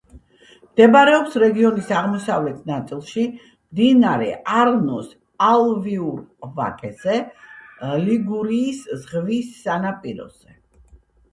მდებარეობს რეგიონის აღმოსავლეთ ნაწილში, მდინარე არნოს ალუვიურ ვაკეზე, ლიგურიის ზღვის სანაპიროზე.